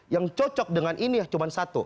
yang cocok dengan ini cuma satu